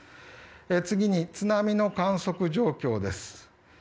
次に津波の観測状況です。